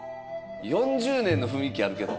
４０年の雰囲気あるけど。